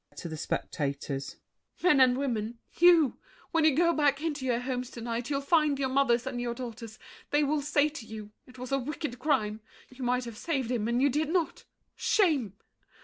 [To the spectators.] Men and women—you! When you go back into your homes to night, You'll find your mothers and your daughters; they Will say to you, "It was a wicked crime. You might have saved him, and you did not. Shame!"